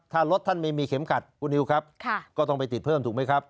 ถ้ารถท่านไม่มีเข็มขัดคุณนิวครับก็ต้องไปติดเพิ่มถูกไหมครับ